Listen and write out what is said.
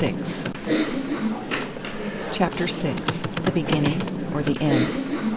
_" CHAPTER VI THE BEGINNING OR THE END?